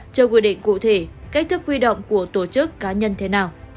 chưa quy định cụ thể cách thức huy động của tổ chức cá nhân thế nào